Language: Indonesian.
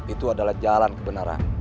itu adalah jalan kebenaran